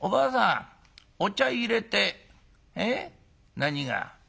何が？